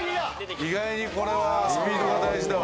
意外にこれはスピードが大事だわ。